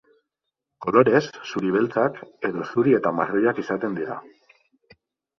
Kolorez, zuri-beltzak, edo zuri eta marroiak izaten dira.